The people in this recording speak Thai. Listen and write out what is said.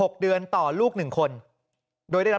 กรุงเทพฯมหานครทำไปแล้วนะครับ